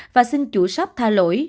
và xin chủ sóc tha lỗi